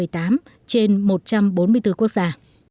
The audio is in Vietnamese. trên một trăm bốn mươi bốn quốc gia